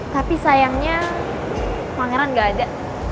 tapi sayangnya pangeran gak ada